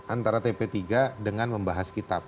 antara tp tiga dengan membahas kitab